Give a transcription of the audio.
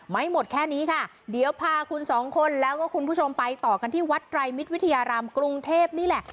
ไม่หมดแค่นี้ค่ะเดี๋ยวพาคุณสองคนแล้วก็คุณผู้ชมไปต่อกันที่วัดไตรมิตรวิทยารามกรุงเทพนี่แหละ